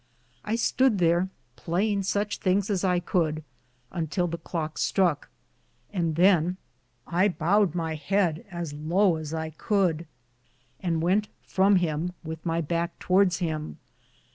I stood thar playinge suche thinge as I coulde untill the cloke stroucke, and than I boued my heade as low as I coulde, and wente from him with my backe towardes him.